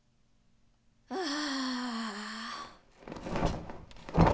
ああ。